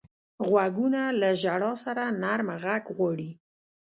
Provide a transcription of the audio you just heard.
غوږونه له ژړا سره نرمه غږ غواړي